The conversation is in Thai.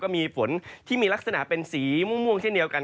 มีฝนที่มีลักษณะเป็นสีม่วงเช่นเดียวกัน